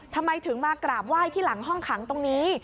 ทำไมถึงมากราบไหว้ที่หลังห้องขังตรงนี้